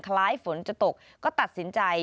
ฝนจะตกก็ตัดสินใจ